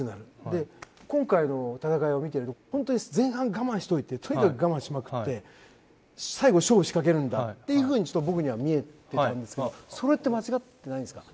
で今回の戦いを見てると本当に前半我慢しておいてとにかく我慢しまくって最後勝負仕掛けるんだっていう風にちょっと僕には見えてたんですけどそれって間違ってないですか？